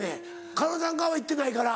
彼女なんかは行ってないから。